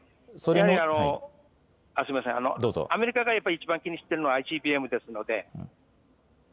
やはり、アメリカがやっぱり一番気にしているのはＩＣＢＭですので。